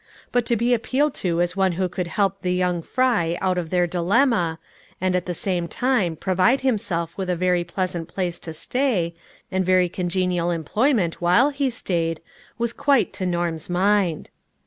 But to be appealed to as one who could help the " young fry " out of their dilemma, and at the same time provide himself with a very pleasant place to stay, and very congenial employment while he stayed, was quite to Norm's mind.